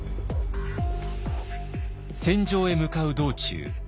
戦場へ向かう道中